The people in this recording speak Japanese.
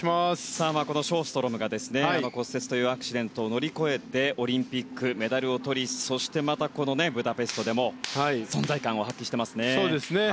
ショーストロムが骨折というアクシデントを乗り越えてオリンピックでメダルをとりそしてまたこのブダペストでも存在感を発揮してますね。